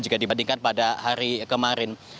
jika dibandingkan pada hari kemarin